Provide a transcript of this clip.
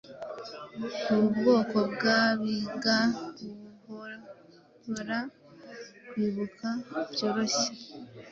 Ubu bwoko bwabiga buhobora kwibuka byorohye